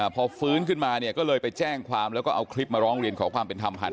พอฟื้นขึ้นมาเนี่ยก็เลยไปแจ้งความแล้วก็เอาคลิปมาร้องเรียนขอความเป็นธรรมผ่าน